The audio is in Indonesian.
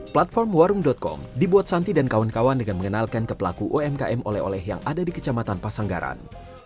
platform warung com dibuat santi dan kawan kawan dengan mengenalkan ke pelaku umkm oleh oleh yang ada di kecamatan pasanggaran